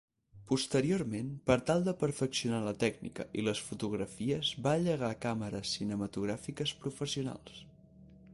Posteriorment, per tal de perfeccionar la tècnica i les fotografies va llegar càmeres cinematogràfiques professionals.